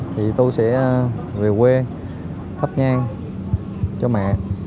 thì tôi sẽ về quê thấp nhang cho mẹ